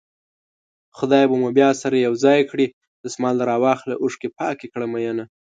خدای به مو بيا سره يو ځای کړي دسمال راواخله اوښکې پاکې کړه مينه